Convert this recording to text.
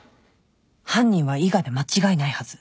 犯人は伊賀で間違いないはず